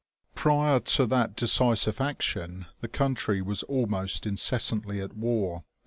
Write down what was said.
Prior to that de cisive action the country was almost incessantly at war.